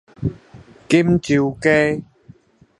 錦州街